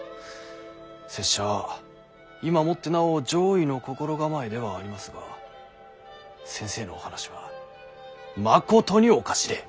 拙者は今もってなお攘夷の心構えではありますが先生のお話はまことにおかしれぇ。